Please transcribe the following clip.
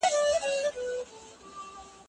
استاد ته پکار ده چي د شاګرد استعداد وګوري.